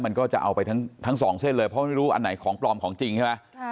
มันก็จะเอาไปทั้งสองเส้นเลย